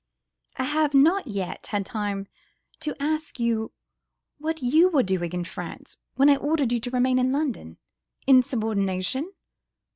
—I have not yet had time to ask you what you were doing in France, when I ordered you to remain in London? Insubordination?